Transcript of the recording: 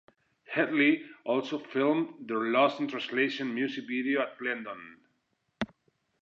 Hedley also filmed their Lost in Translation music video at Glendon.